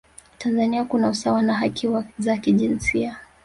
tanzania kuna usawa na haki za kijinsia